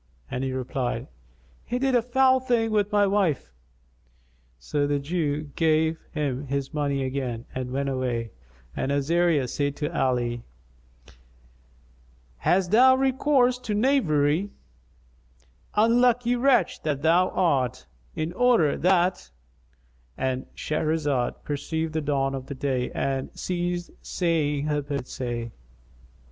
and he replied, "He did a foul thing with my wife." So the Jew gave him his money again and he went away; and Azariah said to Ali, "Hast thou recourse to knavery, unlucky wretch that thou art, in order that"——And Shahrazad perceived the dawn of day and ceased saying her permitted say.